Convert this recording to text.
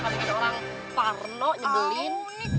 kalau ada orang parno nyebelin